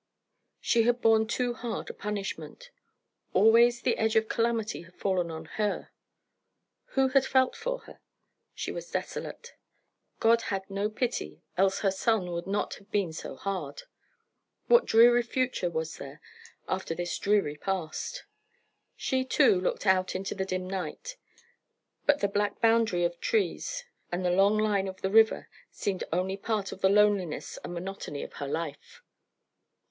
She had borne too hard a punishment. Always the edge of calamity had fallen on her. Who had felt for her? She was desolate. God had no pity, else her son would not have been so hard. What dreary future was there after this dreary past? She, too, looked out into the dim night; but the black boundary of trees and the long line of the river seemed only part of the loneliness and monotony of her life.